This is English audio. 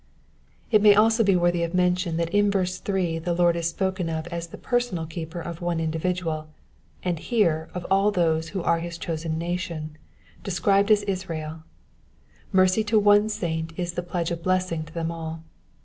It may also be worthy of mention that in verse three the Lord is spoken of as the personal keeper of one individual, and here of all those who are in his chosen nation, described as Israel : mercy to one saint is the pledge of blessing to them all.